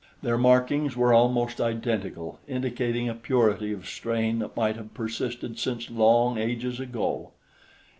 Their markings were almost identical, indicating a purity of strain that might have persisted since long ages ago.